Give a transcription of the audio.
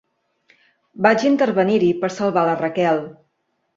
Vaig intervenir-hi per salvar la Raquel.